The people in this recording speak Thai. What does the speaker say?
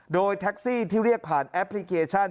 โดยแท็กซี่ที่เรียกผ่านแอปพลิเคชัน